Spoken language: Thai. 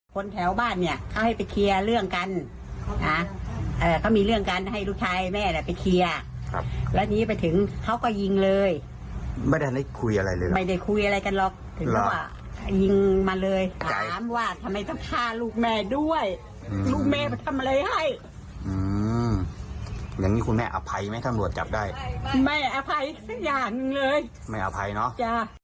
คนแถวบ้านเนี่ยเขาให้ไปเคลียร์เรื่องกันนะเขามีเรื่องกันให้ลูกชายแม่น่ะไปเคลียร์ครับแล้วนี้ไปถึงเขาก็ยิงเลยไม่ได้คุยอะไรเลยไม่ได้คุยอะไรกันหรอกถึงก็ยิงมาเลยถามว่าทำไมต้องฆ่าลูกแม่ด้วยลูกแม่ไปทำอะไรให้อืมอย่างงี้คุณแม่อภัยไหมตำรวจจับได้คุณแม่อภัยสักอย่างหนึ่งเลยไม่อภัยเนาะ